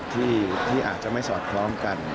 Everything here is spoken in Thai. ที่อาจจะไม่สวัสดิ์พร้อมกัน